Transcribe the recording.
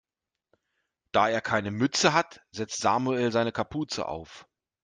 Da er keine Mütze hat, setzt Samuel seine Kapuze auf.